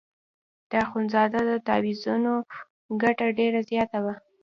د اخندزاده د تاویزانو ګټه ډېره زیاته وه.